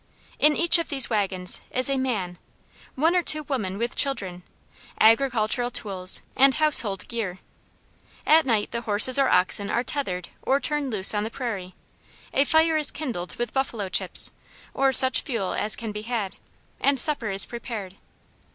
In each of these wagons is a man, one or two women with children, agricultural tools, and household gear. At night the horses or oxen are tethered or turned loose on the prairie; a fire is kindled with buffalo chips, or such fuel as can be had, and supper is prepared.